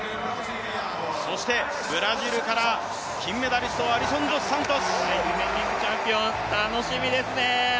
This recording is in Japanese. そしてブラジルから金メダリスト、アリソン・ドスサントス。ディフェンディングチャンピオン、楽しみですね。